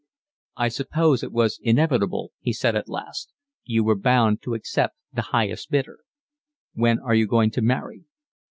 "I suppose it was inevitable," he said at last. "You were bound to accept the highest bidder. When are you going to marry?"